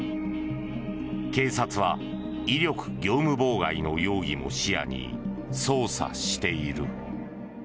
警察は威力業務妨害の容疑も視野に捜査している。